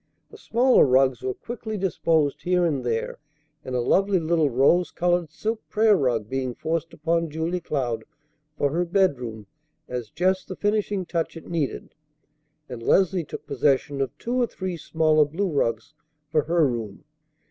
The smaller rugs were quickly disposed here and there, a lovely little rose colored silk prayer rug being forced upon Julia Cloud for her bedroom as just the finishing touch it needed, and Leslie took possession of two or three smaller blue rugs for her room.